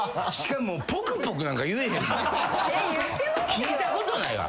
聞いたことないわ。